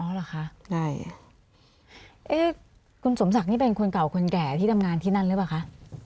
เหรอคะได้เอ๊ะคุณสมศักดิ์นี่เป็นคนเก่าคนแก่ที่ทำงานที่นั่นหรือเปล่าคะ